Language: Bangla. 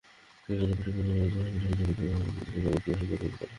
সেখানে প্রশিক্ষণপ্রাপ্ত দক্ষ জনশক্তির মাধ্যমে ধর্মীয় নির্দেশনা অনুযায়ী পশু কোরবানি করা হয়।